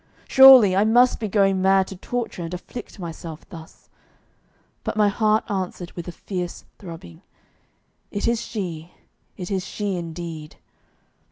Surely, I must be going mad to torture and afflict myself thus!' But my heart answered with a fierce throbbing: 'It is she; it is she indeed!